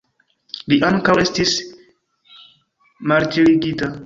Li ankaŭ estis martirigita.